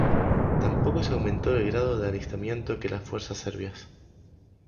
Tampoco se aumentó el grado de alistamiento que las fuerzas serbias.